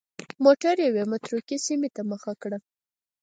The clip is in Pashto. موټر یوې متروکې سیمې ته مخه کړه.